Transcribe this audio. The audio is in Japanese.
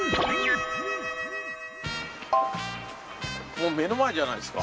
もう目の前じゃないですか。